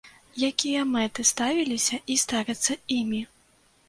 Якія мэты ставіліся і ставяцца імі?